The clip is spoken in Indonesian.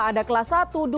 ada kelas satu dua tiga